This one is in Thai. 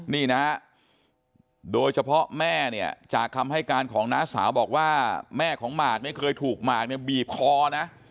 นี่นะฮะโดยเฉพาะแม่เนี่ยจากคำให้การของน้าสาวบอกว่าแม่ของหมากเนี่ยเคยถูกหมากเนี่ยบีบคอนะ